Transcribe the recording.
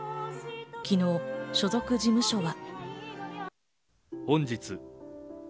昨日、所属事務所は。